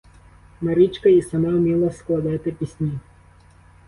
Марічка і сама вміла складати пісні.